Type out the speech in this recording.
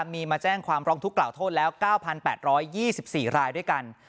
มีมาแจ้งความร้องทุกขล่าโทษแล้ว๙๘๒๔รายด้วยกัน